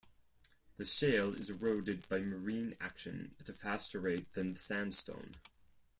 The shale is eroded by marine action at a faster rate than the sandstone.